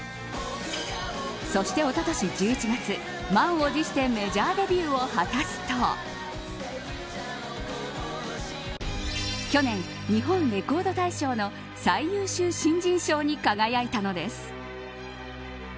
そして、おととし１１月満を持してメジャーデビューを果たすと去年、日本レコード大賞の最優秀新人賞に輝いたのです。